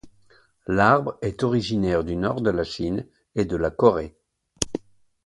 L'arbre est originaire du nord de la Chine et de la Corée.